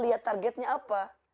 lihat targetnya apa